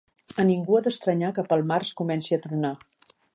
A ningú ha d'estranyar que pel març comenci a tronar.